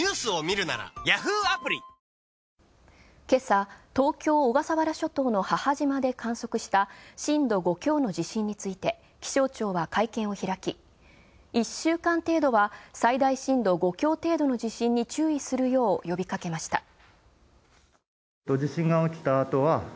今朝、東京・小笠原諸島の母島で観測した震度５強の地震について気象庁は会見を開き、１週間程度は最大震度５強程度の地震に注意するよう呼びかけました。